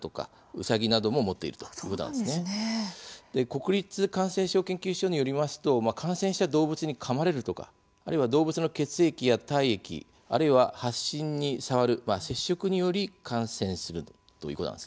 国立感染症研究所によりますと感染した動物にかまれるとかあるいは、動物の血液や体液あるいは発疹に触る接触により感染するということなんですね。